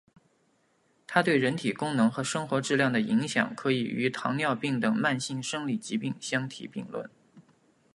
它对人体功能与生活质量的影响可以与糖尿病等慢性生理疾病相提并论。